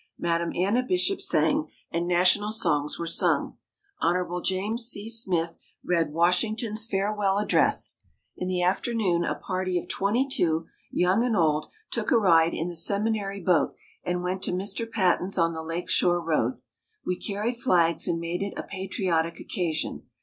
Madame Anna Bishop sang, and National songs were sung. Hon. James C. Smith read Washington's Farewell Address. In the afternoon a party of twenty two, young and old, took a ride in the Seminary boat and went to Mr. Paton's on the lake shore road. We carried flags and made it a patriotic occasion.